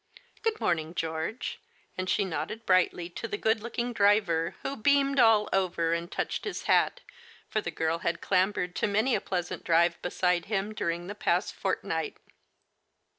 " Good morning, George !" and she nodded brightly to the good looking driver, who beamed all over, and touched his hat, for the girl had clambered to many a pleasant drive be side him during the past fortnight.